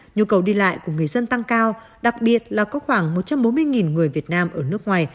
nhu cầu đi lại của người dân tăng cao đặc biệt là có khoảng một trăm bốn mươi người việt nam ở nước ngoài